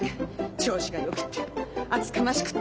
調子がよくて厚かましくって。